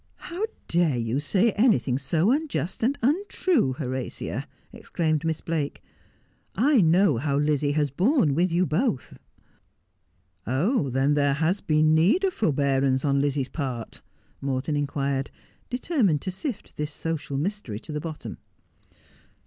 'How dare you say anything so unjust and untrue, Horatia?' exclaimed Miss Blake. ' I know how Lizzie has borne with you both.' ' Oh, then there has been need of forbearance on Lizzie's part 1 ' Morton inquired, determined to sift this social mystery to the bottom.